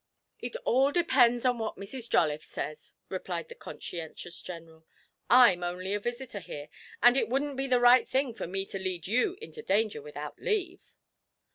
'It all depends on what Mrs. Jolliffe says,' replied the conscientious General. 'I'm only a visitor here, and it wouldn't be the right thing for me to lead you into danger without leave.'